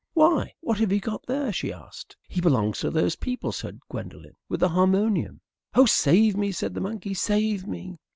"Why, what have you got here?" she asked. "He belongs to those people," said Gwendolen, "with the harmonium." "Oh, save me!" said the monkey. "Save me!"